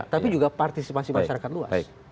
tapi juga partisipasi masyarakat luas